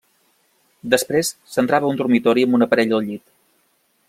Després, s'entrava a un dormitori amb una parella al llit.